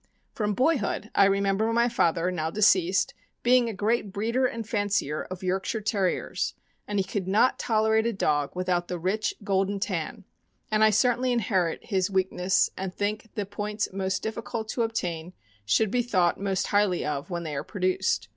* From boyhood, I remember my father (now deceased) being a great breeder and fancier of Yorkshire Terriers, and he could not tolerate a dog without the rich, golden tan, and I certainly inherit his weakness, and think the points most difficult to o'btain should be thought most highly of when they are produced.